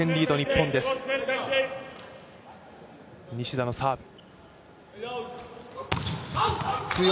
西田のサーブ。